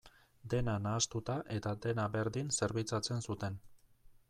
Dena nahastuta eta dena berdin zerbitzatzen zuten.